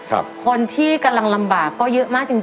คนที่กำลังลำบากก็เยอะมากจริง